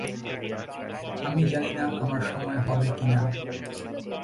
আমি জানিনা আমার সময় হবে কি না।